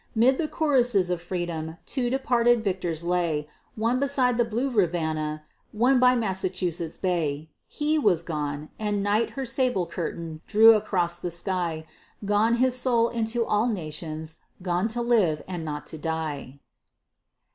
'Mid the choruses of freedom two departed victors lay, One beside the blue Rivanna, one by Massachusetts Bay. He was gone, and night her sable curtain drew across the sky; Gone his soul into all nations, gone to live and not to die.